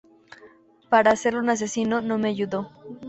Para hacerlo un asesino, no me ayudó.